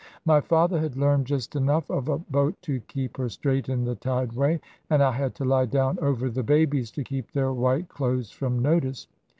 My father had learned just enough of a boat to keep her straight in the tide way, and I had to lie down over the babies, to keep their white clothes from notice.